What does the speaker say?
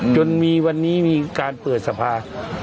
จนมีวันนี้มีการเปิดสภา